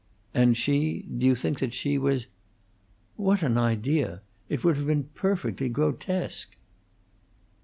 "And she do you think that she was " "What an idea! It would have been perfectly grotesque!"